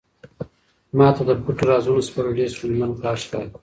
ما ته د پټو رازونو سپړل ډېر ستونزمن کار ښکاري.